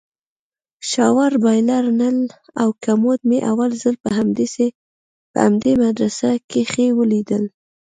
شاور بايلر نل او کموډ مې اول ځل په همدې مدرسه کښې وليدل.